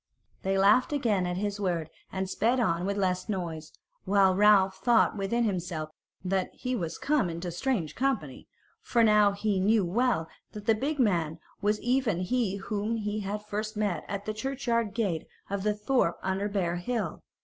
They laughed again at his word and sped on with less noise; while Ralph thought within himself that he was come into strange company, for now he knew well that the big man was even he whom he had first met at the churchyard gate of the thorp under Bear Hill.